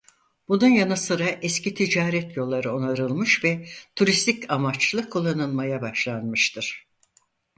Bunun yanı sıra eski ticaret yolları onarılmış ve turistik amaçlı kullanılmaya başlanmıştır.